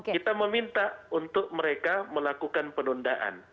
kita meminta untuk mereka melakukan penundaan